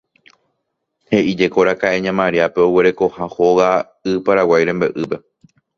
He'íjekoraka'e ña Mariápe oguerekoha hóga y Paraguái rembe'ýpe